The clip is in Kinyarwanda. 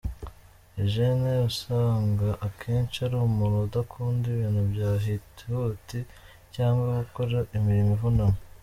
Eugene uzasanga akenshi ari umuntu udakunda ibintu bya hutihuti cyangwa gukora imirimo imuvuna .